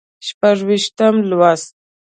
شپږ ویشتم لوست